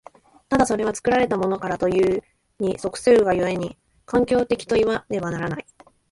ただそれは作られたものからというに即するが故に、環境的といわねばならない。